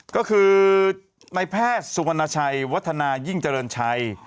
ก็คือในแพทย์สุวรรณชัยวัฒนายิ่งเจริญชัย